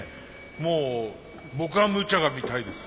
もう僕はむちゃが見たいです。